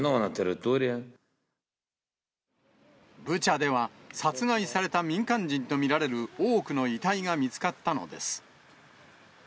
ブチャでは、殺害された民間人と見られる多くの遺体が見つかったのです。